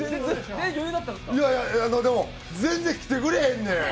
全然来てくれへんねん。